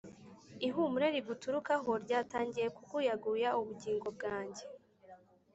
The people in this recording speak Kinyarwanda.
Ihumure riguturukaho ryatangiye gukuyakuya ubugingo bwanjye